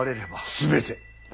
全て。